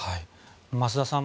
増田さん